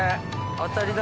当たりだ